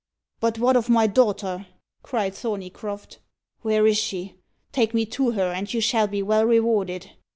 "But what of my daughter?" cried Thorneycroft; "where is she? Take me to her, and you shall be well rewarded."